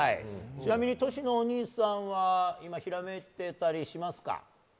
ちなみにトシのお兄さんは今、ひらめいていたりしますか？